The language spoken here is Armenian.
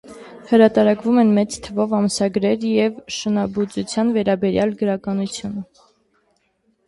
Հրատարակվում են մեծ թվով ամսագրեր և շնաբուծության վերաբերյալ գրականություն։